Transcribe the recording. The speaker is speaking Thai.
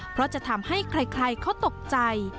เพราะจะทำให้ใครเขาตกใจ